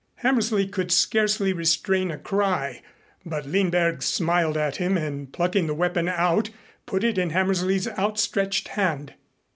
Hammersley could scarcely restrain a cry, but Lindberg smiled at him and plucking the weapon out, put it in Hammersley's outstretched hand.